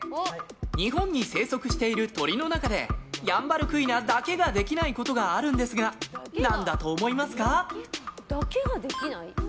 日本に生息している鳥の中でヤンバルクイナだけができないことがあるんですが何だと思いますか。